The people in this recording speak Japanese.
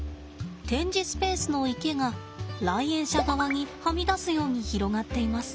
展示スペースの池が来園者側にはみ出すように広がっています。